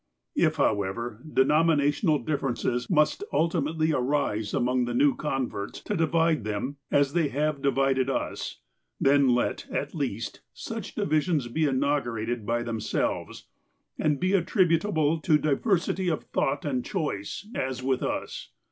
" If, however, denominational differences must ultimately arise among the new converts, to divide them, as they have divided us, then let, at least, such divisions be inaugurated by themselves, and be attributable to diversity of thought and choice, as with us.